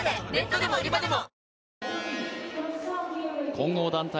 混合団体